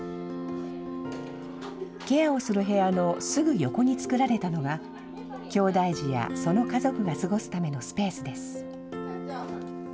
ケアをする部屋のすぐ横に作られたのが、きょうだい児やその家族が過ごすためのスペースです。